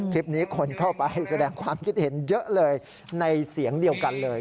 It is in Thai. คลิปนี้คนเข้าไปแสดงความคิดเห็นเยอะเลยในเสียงเดียวกันเลย